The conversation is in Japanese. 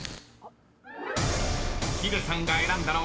［ヒデさんが選んだのは］